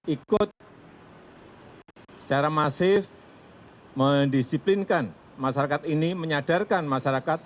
ikut secara masif mendisiplinkan masyarakat ini menyadarkan masyarakat